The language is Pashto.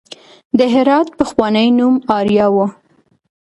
د هرات پخوانی نوم اریا و